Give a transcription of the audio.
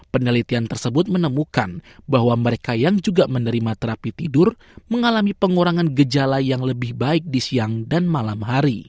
penelitian tersebut menemukan bahwa mereka yang juga menerima terapi tidur mengalami pengurangan gejala yang lebih baik di siang dan malam hari